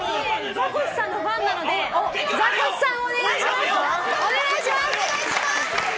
ザコシさんのファンなのでザコシさんお願いします。